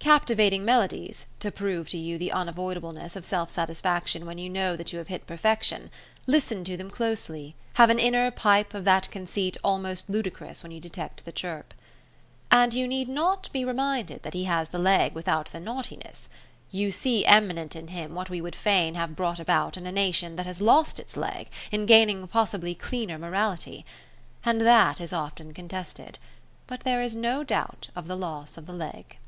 Captivating melodies (to prove to you the unavoidableness of self satisfaction when you know that you have hit perfection), listen to them closely, have an inner pipe of that conceit almost ludicrous when you detect the chirp. And you need not be reminded that he has the leg without the naughtiness. You see eminent in him what we would fain have brought about in a nation that has lost its leg in gaining a possibly cleaner morality. And that is often contested; but there is no doubt of the loss of the leg.